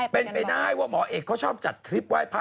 เป็นไปได้ว่าหมอเอกเขาชอบจัดทริปไหว้พระ